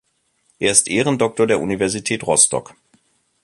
Er ist Ehrendoktor der Universität Rostock.